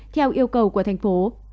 theo yêu cầu của thành phố